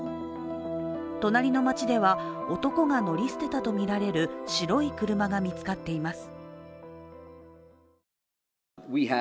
隣の町では、男が乗り捨てたとみられる白い車が見つかっています。